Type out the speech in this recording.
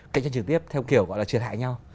kết chất trực tiếp theo kiểu gọi là trượt hại nhau